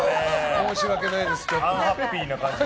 申し訳ないですけど。